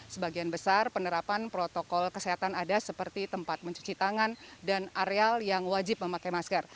sebagian besar penerapan protokol kesehatan ada seperti tempat mencuci tangan dan areal yang wajib memakai masker